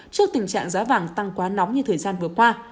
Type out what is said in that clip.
trước tình trạng giá vàng tăng quá nóng như thời gian vừa qua